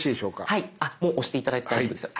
はいもう押して頂いて大丈夫ですよ。